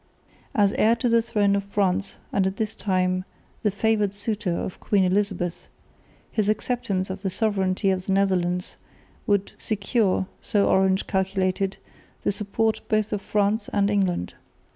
As heir to the throne of France and at this time the favoured suitor of Queen Elizabeth, his acceptance of the sovereignty of the Netherlands would secure, so Orange calculated, the support both of France and England.